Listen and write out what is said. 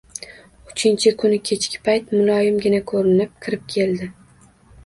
Uchinchi kuni kechki payt muloyimgina ko`rinib kirib keldi